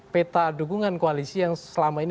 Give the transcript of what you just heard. peta dukungan koalisi yang selama ini